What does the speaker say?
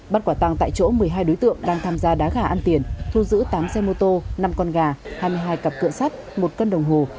bắt quả tăng tại chỗ một mươi hai đối tượng đang tham gia đá gà ăn tiền thu giữ tám xe mô tô năm con gà hai mươi hai cặp cửa sắt một cân đồng hồ